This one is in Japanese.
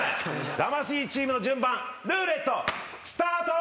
魂チームの順番ルーレットスタート！